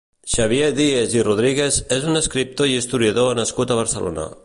Xavier Diez i Rodríguez és un escriptor i historiador nascut a Barcelona.